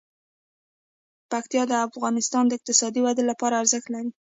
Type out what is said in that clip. پکتیکا د افغانستان د اقتصادي ودې لپاره ارزښت لري.